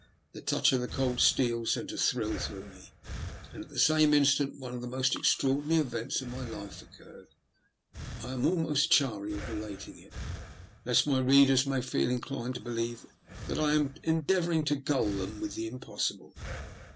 The touch of the cold steel sent a thrill through me, and at the same instant one of the most extraordinary events of my life occurred. I am almost chary of relating it, lest my readers may feel inclined to believe that I am endeavouring to gull them with the impossible.